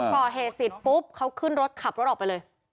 เขาก่อเหตุสิทธิ์ปุ๊บเขาขึ้นรถขับรถออกไปเลย